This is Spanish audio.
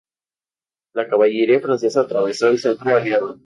La caballería francesa atravesó el centro aliado.